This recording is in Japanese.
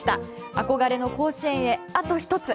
憧れの甲子園へあと１つ。